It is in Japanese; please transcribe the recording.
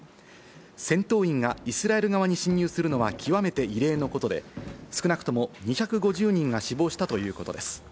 戦闘員がイスラエル側に侵入するのは極めて異例のことで、少なくとも２５０人が死亡したということです。